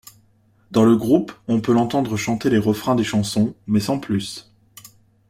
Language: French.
Dans le groupe, on peut l'entendre chanter les refrains des chansons, mais sans plus.